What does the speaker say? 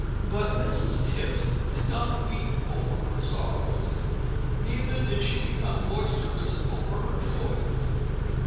But Mrs Tipps did not weep over her sorrows, neither did she become boisterous over her joys.